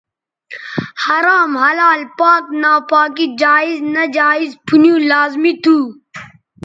حرام حلال پاک ناپاکی جائز ناجائزپُھنیوں لازمی تھو